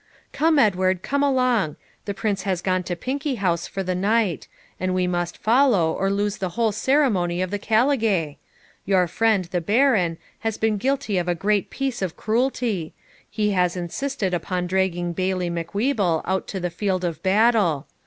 'Come, Edward, come along; the Prince has gone to Pinkie House for the night; and we must follow, or lose the whole ceremony of the caligae. Your friend, the Baron, has been guilty of a great piece of cruelty; he has insisted upon dragging Bailie Macwheeble out to the field of battle.